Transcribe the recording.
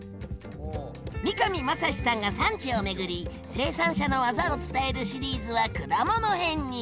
三上真史さんが産地を巡り生産者のわざを伝えるシリーズは果物編に！